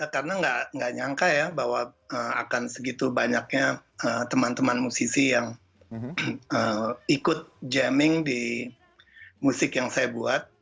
karena nggak nyangka ya bahwa akan segitu banyaknya teman teman musisi yang ikut jamming di musik yang saya buat